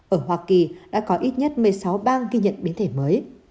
ở hoa kỳ đã có ít nhất một mươi sáu bang ghi nhận biến thể mới